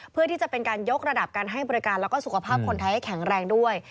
เพื่อที่จะเป็นการยกระดับการให้บริการแล้วก็สุขภาพคนไทยให้แข็งแรงด้วย